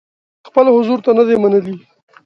خپل حضور ته نه دي منلي.